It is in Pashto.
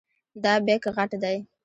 دا بیک غټ دی.